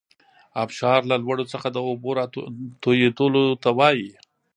ابشار له لوړو څخه د اوبو راتویدلو ته وايي.